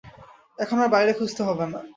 এখন আর বাইরে খুঁজতে হবে না।